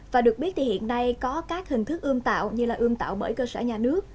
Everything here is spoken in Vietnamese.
và được biết thì hiện nay có các hình thức ươm tạo như là ươm tạo bởi cơ sở nhà nước